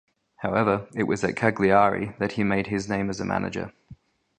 However, it was at Cagliari that he made his name as a manager.